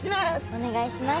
お願いします。